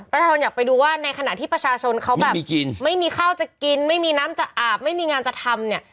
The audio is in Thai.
ประชาชนอยากไปดูว่าในขณะที่ประชาชนเขาแบบไม่มีข้าวจะกินไม่มีน้ำจะอาบไม่มีงานจะทำเนี่ย